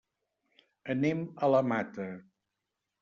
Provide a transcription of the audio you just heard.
Anem a la Mata.